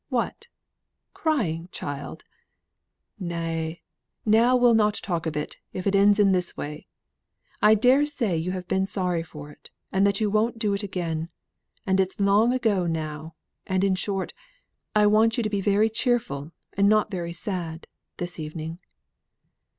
What! crying, child? Nay, now we'll not talk of it, if it ends in this way. I dare say you have been sorry for it, and that you won't do it again, and it's long ago now, and in short I want you to be very cheerful, and not very sad, this evening."